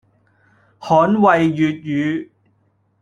捍衛粵語